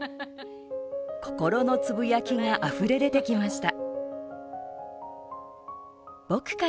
心のつぶやきがあふれ出てきました。